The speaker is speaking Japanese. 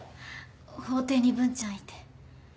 法廷に文ちゃんいて。